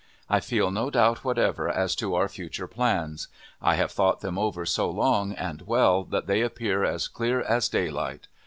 I feel no doubt whatever as to our future plans. I have thought them over so long and well that they appear as clear as daylight.